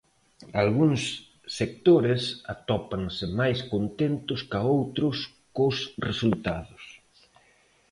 Algúns sectores atópanse máis contentos ca outros cos resultados.